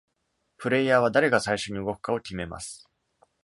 プレーヤーは、誰が最初に動くかを決めます。